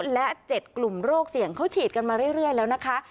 และ๗กลุ่มโรคเสี่ยงเขาฉีดกันมาเรื่อยแล้วนะคะ